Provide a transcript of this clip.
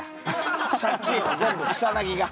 借金を全部草が。